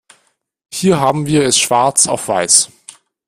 Hier haben wir es schwarz auf weiß.